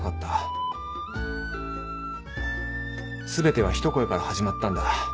全ては一声から始まったんだ。